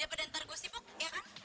daripada nanti gue sibuk ya kan